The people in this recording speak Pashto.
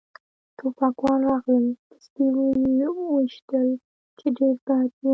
ټوپکوال راغلل پسې و يې ویشتل، چې ډېر بد و.